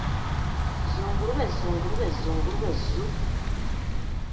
Zzungulube zzungulube zzungulube zzu.